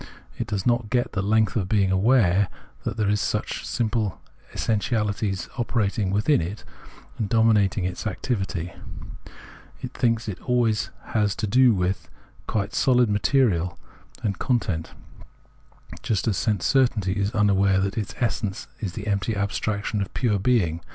It does not get the length of being aware that there are such simple essentiahties operating within it and dominating its activity ; it thinks it has always to do with quite sohd material and content, just as sense certainty is unaware that its essence is the empty abstraction of pure being.